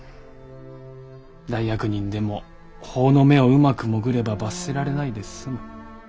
大悪人でも法の目をうまく潜れば罰せられないで済む。